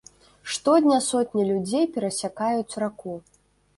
Штодня сотні людзей перасякаюць раку.